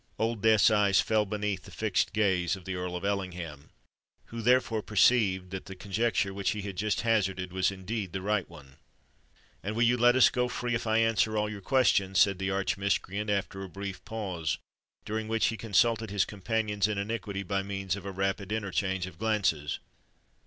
Old Death's eyes fell beneath the fixed gaze of the Earl of Ellingham, who thereby perceived that the conjecture which he had just hazarded was indeed the right one. "And you will let us go free if I answer all your questions?" said the arch miscreant, after a brief pause, during which he consulted his companions in iniquity by means of a rapid interchange of glances.